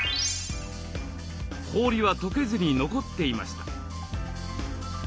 氷はとけずに残っていました。